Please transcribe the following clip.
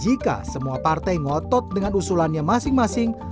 jika semua partai ngotot dengan usulannya masing masing